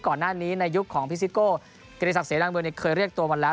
ก่อนหน้านี้ในยุคของพิซิโก้กิริศักดิเสดังเมืองเคยเรียกตัวมาแล้ว